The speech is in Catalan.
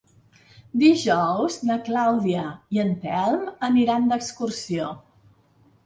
Dijous na Clàudia i en Telm aniran d'excursió.